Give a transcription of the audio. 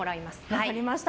分かりました。